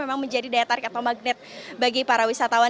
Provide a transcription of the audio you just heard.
memang menjadi daya tarik atau magnet bagi para wisatawan